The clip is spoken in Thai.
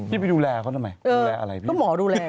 พี่ไปดูแลเขาน่ะไหม